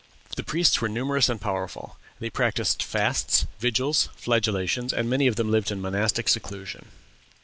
The priests were numerous and powerful. They practised fasts, vigils, flagellations, and many of them lived in monastic seclusion.